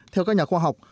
theo các nhà khoa học